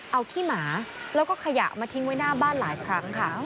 เอาขี้หมาแล้วก็ขยะมาทิ้งไว้หน้าบ้านหลายครั้งค่ะ